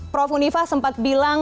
prof unifa sempat bilang